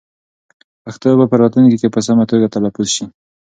پښتو به په راتلونکي کې په سمه توګه تلفظ شي.